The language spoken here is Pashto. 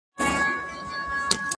پر بچو د توتکۍ چي یې حمله کړه !.